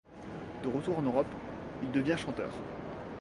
De retour en Europe, il devient chanteur.